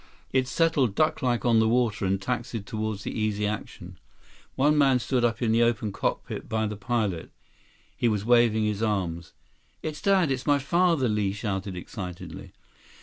It settled ducklike on the water and taxied toward the Easy Action. One man stood up in the open cockpit by the pilot. He was waving his arms. "It's Dad! It's my father!" Li shouted excitedly.